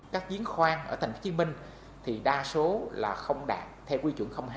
các giếng khoang ở tp hcm thì đa số là không đạt theo quy chuẩn hai